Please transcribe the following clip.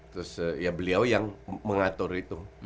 terus ya beliau yang mengatur itu